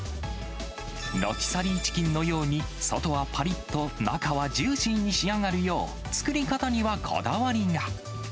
ロティサリーチキンのように外はぱりっと、中はジューシーに仕上がるよう、作り方にはこだわりが。